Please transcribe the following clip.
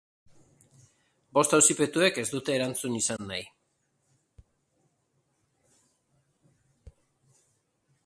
Bost auzipetuek ez dute erantzun izan nahi.